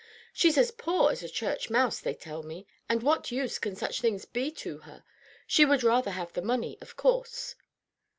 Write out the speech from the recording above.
She's as poor as a church mouse, they tell me; and what use can such things be to her? She would rather have the money, of course.